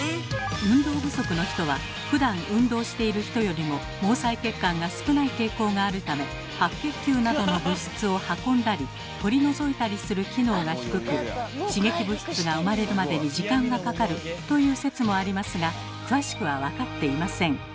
運動不足の人はふだん運動している人よりも毛細血管が少ない傾向があるため白血球などの物質を運んだり取り除いたりする機能が低く刺激物質が生まれるまでに時間がかかるという説もありますが詳しくは分かっていません。